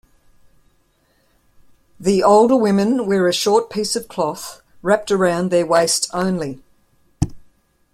The older women wear a short piece of cloth wrapped around their waist only.